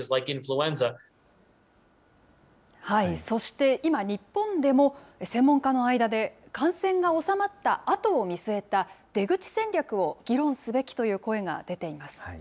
そして今、日本でも専門家の間で、感染が収まったあとを見据えた出口戦略を議論すべきという声が出